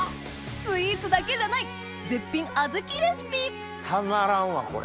スイーツだけじゃない絶品小豆レシピたまらんわこれ。